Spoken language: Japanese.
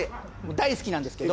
大好きなんですけど。